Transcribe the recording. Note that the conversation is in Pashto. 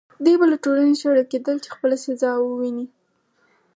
دوی به له ټولنې شړل کېدل چې خپله جزا وویني.